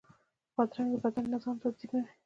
بادرنګ د بدن نظام تنظیموي.